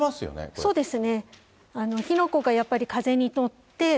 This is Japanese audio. そうですね。